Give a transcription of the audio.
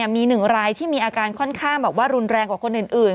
มีหนึ่งรายที่มีอาการค่อนข้างแบบว่ารุนแรงกว่าคนอื่น